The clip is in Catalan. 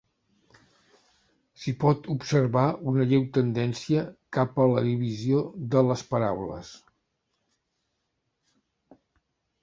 S'hi pot observar una lleu tendència cap a la divisió de les paraules.